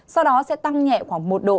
sau đó sẽ tăng nhẹ khoảng một độ